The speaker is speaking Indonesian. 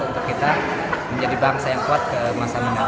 untuk kita menjadi bangsa yang kuat ke masa mendatang